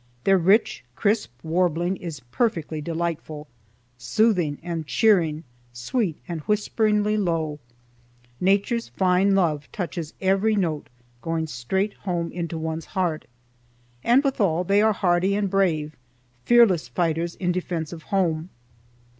Their rich, crispy warbling is perfectly delightful, soothing and cheering, sweet and whisperingly low, Nature's fine love touches, every note going straight home into one's heart. And withal they are hardy and brave, fearless fighters in defense of home.